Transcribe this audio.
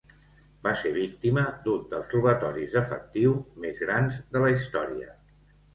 Va ser víctima d'un dels robatoris d'efectiu més grans de la història.